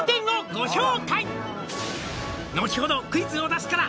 「ご紹介」「後ほどクイズを出すから」